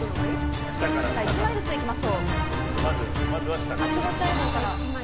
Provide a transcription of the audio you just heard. １枚ずついきましょう。